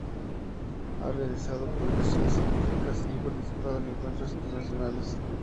Ha realizado publicaciones científicas y participado de encuentros internacionales.